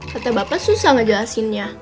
kata bapak susah ngejelasinnya